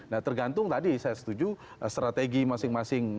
nah tergantung tadi saya setuju strategi masing masing